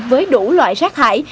với đủ loại rác thải